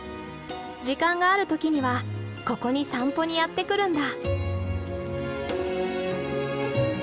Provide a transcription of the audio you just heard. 時間がある時にはここに散歩にやって来るんだ。